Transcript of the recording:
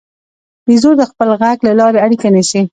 بیزو د خپل غږ له لارې اړیکه نیسي.